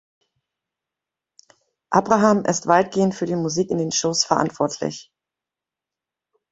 Abraham ist weitgehend für die Musik in den Shows verantwortlich.